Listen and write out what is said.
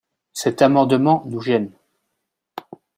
Cet amendement nous gêne.